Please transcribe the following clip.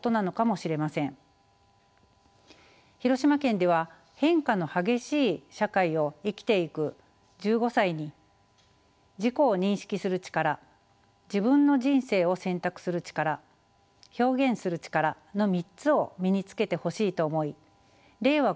広島県では変化の激しい社会を生きていく１５歳に「自己を認識する力」「自分の人生を選択する力」「表現する力」の３つを身につけてほしいと思い令和